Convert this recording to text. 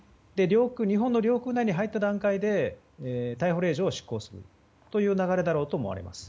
日本の領空内に入った段階で逮捕令状を執行する流れだろうと思われます。